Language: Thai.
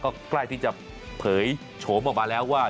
ก็ใกล้ที่จะเผยโฉมออกมาแล้วว่า